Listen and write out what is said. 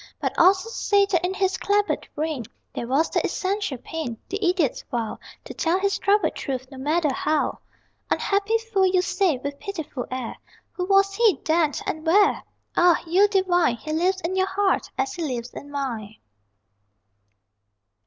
But also say that in his clabbered brain There was the essential pain The idiot's vow To tell his troubled Truth, no matter how. Unhappy fool, you say, with pitiful air: Who was he, then, and where? Ah, you divine He lives in your heart, as he lives in mine.